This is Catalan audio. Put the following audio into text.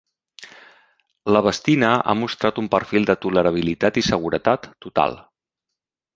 L'ebastina ha mostrat un perfil de tolerabilitat i seguretat total.